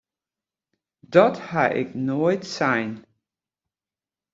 Dat ha ik noait sein!